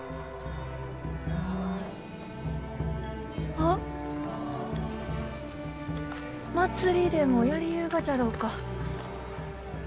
・あっ祭りでもやりゆうがじゃろうか？